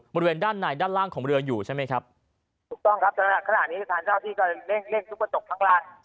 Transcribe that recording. บริเวณด้านในด้านล่างของเรืออยู่ใช่ไหมครับถูกต้องครับขณะนี้ทางเจ้าที่ก็เร่งเร่งทุกกระจกข้างล่าง